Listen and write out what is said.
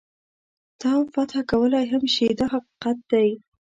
تا فتح کولای هم شي دا حقیقت دی.